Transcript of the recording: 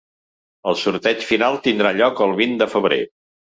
El sorteig final tindrà lloc el vint de febrer.